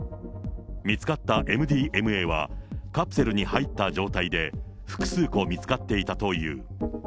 見つかったＭＤＭＡは、カプセルに入った状態で、複数個見つかっていたという。